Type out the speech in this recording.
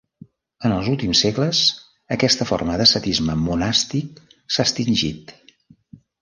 En els últims segles, aquesta forma d'ascetisme monàstic s'ha extingit.